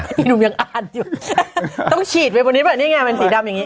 พี่หนุ่มยังอ่านอยู่ต้องฉีดไปบนนี้ป่ะนี่ไงเป็นสีดำอย่างนี้